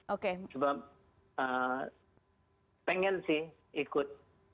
coba pengen sih ikut